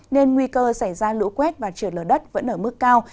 nên nguy cơ xảy ra lũ quét và trượt lở đất vẫn ở mức cao